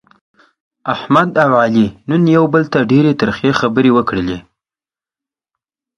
احمد او علي نن یو بل ته ډېرې ترخې خبرې وکړلې.